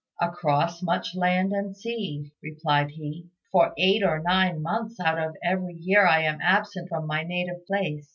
"Across much land and sea," replied he; "for eight or nine months out of every year I am absent from my native place.